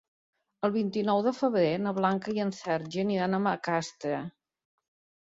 El vint-i-nou de febrer na Blanca i en Sergi aniran a Macastre.